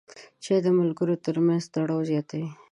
چای د ملګرو ترمنځ تړاو زیاتوي.